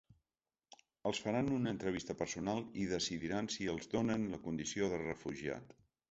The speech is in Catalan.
Els faran una entrevista personal i decidiran si els donen la condició de refugiat.